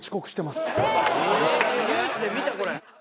ニュースで見たこれ。